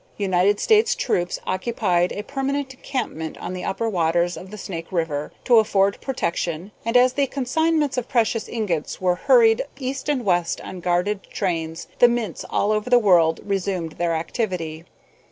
United States troops occupied a permanent encampment on the upper waters of the Snake River, to afford protection, and as the consignments of precious ingots were hurried east and west on guarded trains, the mints all over the world resumed their activity.